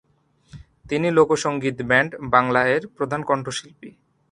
তিনি লোক সঙ্গীত ব্যান্ড বাংলা এর প্রধান কণ্ঠশিল্পী।